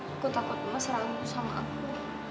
aku takut mas ragu sama aku